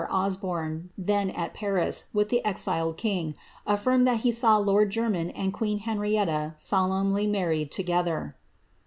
Osborne, then at Paris, with the exiled king, affirm that he saw lord Jermyn and queen Henrietta solemnly married together.''